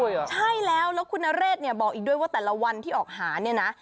ใช่แล้วแล้วคุณนเรศบอกอีกด้วยว่าแต่ละวันที่ออกหา